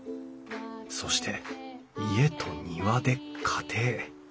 そして「家」と「庭」で家庭。